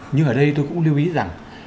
nhưng ở đây tôi cũng lưu ý rằng